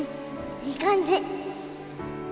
いい感じ